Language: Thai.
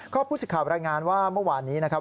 ก็ผู้สิทธิ์รายงานว่าเมื่อวานนี้นะครับ